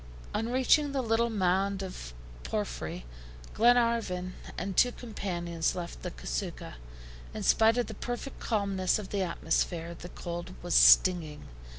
On reaching the little mound of porphyry, Glenarvan and his two companions left the CASUCHA. In spite of the perfect calmness of the atmosphere, the cold was stinging.